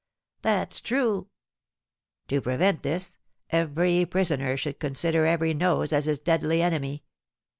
"That's true." "To prevent this, every prisoner should consider every nose as his deadly enemy.